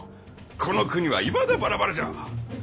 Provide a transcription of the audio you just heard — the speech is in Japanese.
この国はいまだバラバラじゃ。